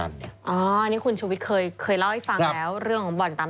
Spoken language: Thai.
อ๋ออันนี้คุณชุวิตเคยเล่าให้ฟังแล้วเรื่องของบ่อนการพนัน